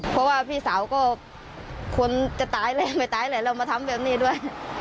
เพราะว่าพี่สาวก็คนจะตายแล้วไม่ตายแล้วมาทำแบบนี้ด้วย